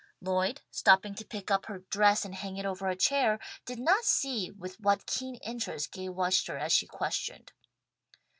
Lloyd, stooping to pick up her dress and hang it over a chair, did not see with what keen interest Gay watched her as she questioned.